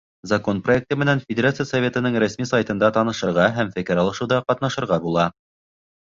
Закон проекты менән Федерация Советының рәсми сайтында танышырға һәм фекер алышыуҙа ҡатнашырға була.